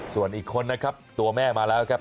ส่วนอีกคนตัวแม่มาแล่วคัญ